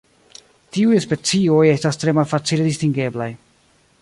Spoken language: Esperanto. Tiuj specioj estas tre malfacile distingeblaj.